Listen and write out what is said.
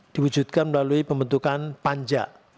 diwujudkan melalui pembentukan panja